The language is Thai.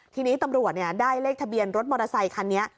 ทีนี้ตำรวจได้เลขทะเบียนรถมอเตอร์ไซคันนี้